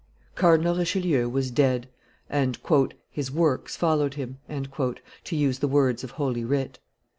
Cardinal Richelieu was dead, and "his works followed him," to use the words of Holy Writ.